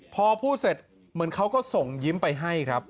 พอพูดเสร็จเหมือนเขาก็ส่งยิ้มไปให้ครับ